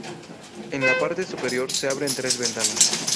En la parte superior, se abren tres ventanas.